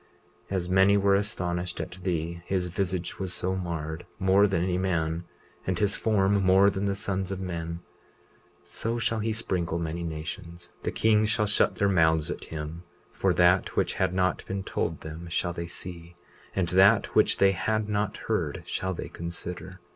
20:44 As many were astonished at thee—his visage was so marred, more than any man, and his form more than the sons of men— 20:45 So shall he sprinkle many nations; the kings shall shut their mouths at him, for that which had not been told them shall they see; and that which they had not heard shall they consider.